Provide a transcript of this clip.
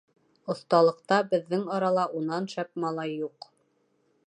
— Оҫталыҡта беҙҙең арала унан шәп малай юҡ.